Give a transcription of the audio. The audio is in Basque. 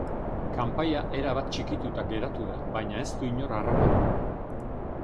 Kanpaia erabat txikituta geratu da baina ez du inor harrapatu.